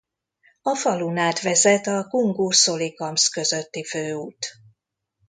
A falun át vezet a Kungur–Szolikamszk közötti főút.